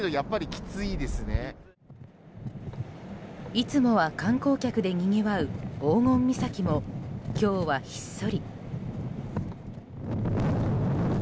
いつもは観光客でにぎわう黄金岬も、今日はひっそり。